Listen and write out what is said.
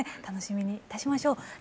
楽しみにいたしましょう。